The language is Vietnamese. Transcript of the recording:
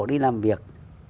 đi làm việc